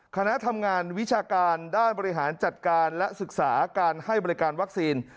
คณะทำงานวิชาการด้านบริหารจัดการและศึกษาการให้บริการวัคซีน